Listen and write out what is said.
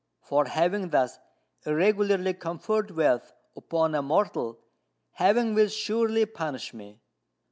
For having thus irregularly conferred wealth upon a mortal, Heaven will surely punish me.